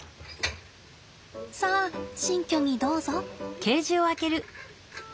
さあ新居にどうぞ。